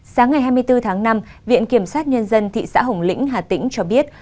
sáng ngày hai mươi bốn tháng năm viện kiểm sát nhân dân thị xã hồng lĩnh hà tĩnh cho biết